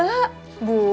bu baca semua dulu